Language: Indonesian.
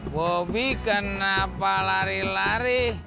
bobby kenapa lari lari